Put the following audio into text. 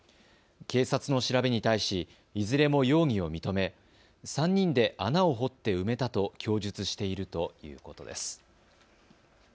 警察の調べに対し、いずれも容疑を認め３人で穴を掘って埋めたと供述しているということです。